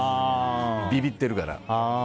ビビってるから。